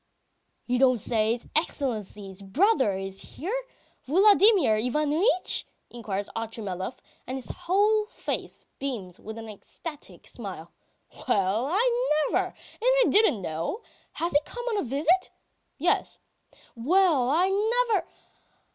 ..." "You don't say his Excellency's brother is here? Vladimir Ivanitch?" inquires Otchumyelov, and his whole face beams with an ecstatic smile. "'Well, I never! And I didn't know! Has he come on a visit? "Yes." "Well, I never.